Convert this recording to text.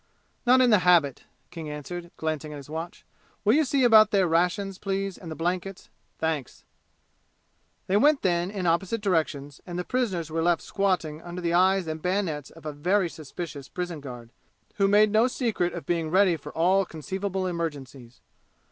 "Not in the habit," King answered, glancing at his watch. "Will you see about their rations, please, and the blankets? Thanks!" They went then in opposite directions and the prisoners were left squatting under the eyes and bayonets of a very suspicious prison guard, who made no secret of being ready for all conceivable emergencies.